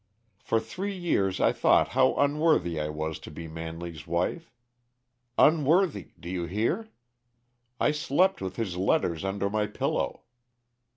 For three years I thought how unworthy I was to be Manley's wife. Unworthy, do you hear? I slept with his letters under my pillow."